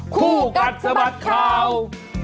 คู่กัดสะบัดข่าว